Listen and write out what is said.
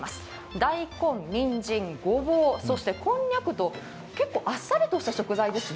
大根、にんじん、ごぼう、そしてこんにゃくと、結構あっさりとした食材ですね。